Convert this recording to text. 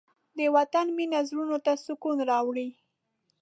د وطن مینه زړونو ته سکون راوړي.